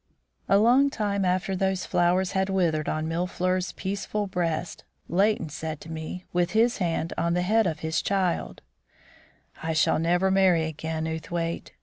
A long time after those flowers had withered on Mille fleurs' peaceful breast, Leighton said to me, with his hand on the head of his child: "I shall never marry again, Outhwaite.